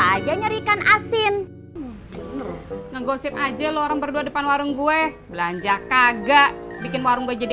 kerja nyarikan asin ngegosip aja lu orang berdua depan warung gue belanja kagak bikin warung jadi